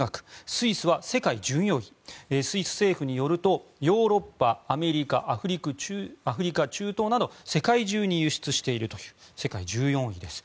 スイスは世界１４位スイス政府によるとヨーロッパ、アメリカ、アフリカ中東など世界中に輸出しているという世界１４位です。